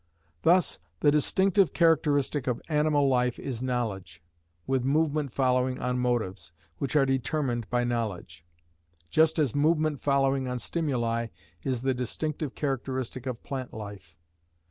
Thus the distinctive characteristic of animal life is knowledge, with movement following on motives, which are determined by knowledge, just as movement following on stimuli is the distinctive characteristic of plant life.